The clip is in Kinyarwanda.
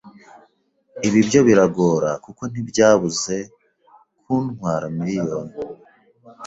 ibi byo Biragora kuko ntibyabuze gkuntwara miliyoni